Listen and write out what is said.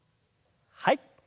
はい。